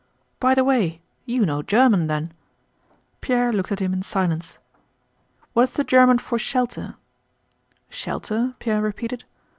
"By the way, you know German, then?" Pierre looked at him in silence. "What is the German for 'shelter'?" "Shelter?" Pierre repeated.